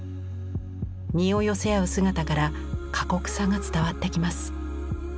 身を寄せ合う姿から過酷さが伝わってきます。